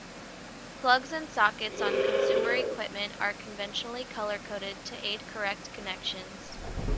Plugs and sockets on consumer equipment are conventionally color-coded to aid correct connections.